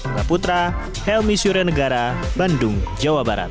mbak putra helmi syurianegara bandung jawa barat